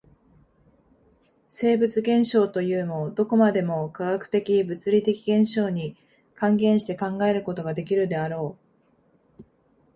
生物現象というも、どこまでも化学的物理的現象に還元して考えることができるであろう。